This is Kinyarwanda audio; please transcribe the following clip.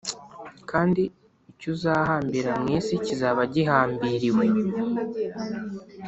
Kandi Icyo Uzahambira Mu Isi Kizaba Gihambiriwe